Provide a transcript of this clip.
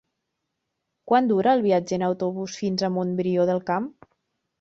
Quant dura el viatge en autobús fins a Montbrió del Camp?